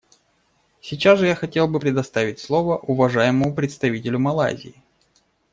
Сейчас же я хотел бы предоставить слово уважаемому представителю Малайзии.